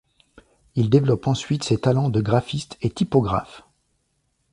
Il développe ensuite ses talents de graphiste et typographe.